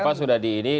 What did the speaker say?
bapak sudah di ini